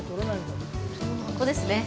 ここですね。